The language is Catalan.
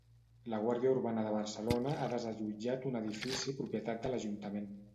La Guàrdia Urbana de Barcelona ha desallotjat un edifici propietat de l'Ajuntament.